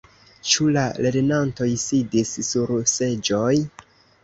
Ĉu la lernantoj sidis sur seĝoj?